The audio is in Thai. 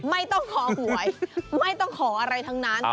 ไม่ต้องขอหวยไม่ต้องขออะไรทั้งนั้น